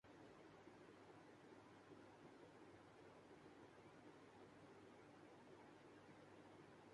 عامر خان سے بہار حکومت کی گزارش